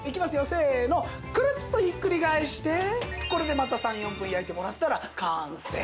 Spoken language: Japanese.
せーのクルッとひっくり返してこれでまた３４分焼いてもらったら完成。